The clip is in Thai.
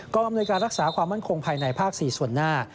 อำนวยการรักษาความมั่นคงภายในภาค๔ส่วนหน้า